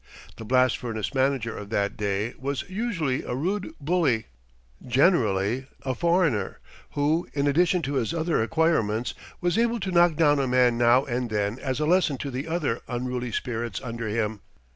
The blast furnace manager of that day was usually a rude bully, generally a foreigner, who in addition to his other acquirements was able to knock down a man now and then as a lesson to the other unruly spirits under him.